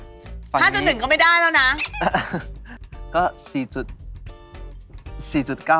สงสารอะเชฟคือน้ำลายอื้อกอะ